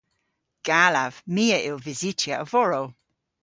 Gallav. My a yll vysytya a-vorow.